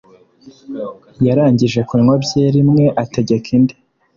Yarangije kunywa byeri imwe ategeka indi.